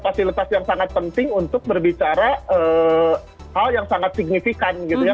fasilitas yang sangat penting untuk berbicara hal yang sangat signifikan gitu ya